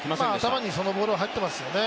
頭にそのボールは入っていますよね。